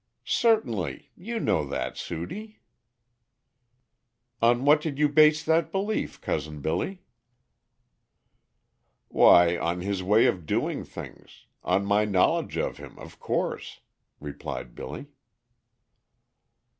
"Certainly; you know that Sudie." "On what did you base that belief, Cousin Billy?" "Why, on his way of doing things, on my knowledge of him, of course;" replied Billy.